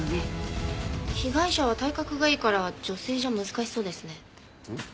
被害者は体格がいいから女性じゃ難しそうですね。